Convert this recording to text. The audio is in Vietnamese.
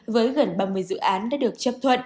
với gần ba mươi dự án đã được chấp thuận